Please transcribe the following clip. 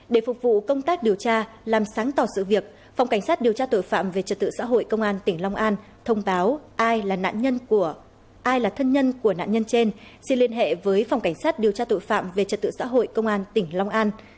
để phục vụ công tác điều tra làm sáng tỏ sự việc phòng cảnh sát điều tra tội phạm về trật tự xã hội công an tỉnh long an thông báo ai là nạn nhân của ai là thân nhân của nạn nhân trên xin liên hệ với phòng cảnh sát điều tra tội phạm về trật tự xã hội công an tỉnh long an